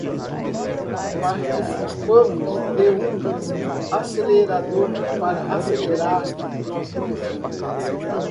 Participamos de um accelerator para acelerar nosso crescimento.